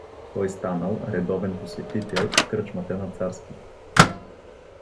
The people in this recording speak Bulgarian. Той станал редовен посетител в кръчмата на Царски.